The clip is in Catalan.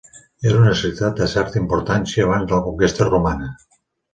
Era una ciutat de certa importància abans de la conquesta romana.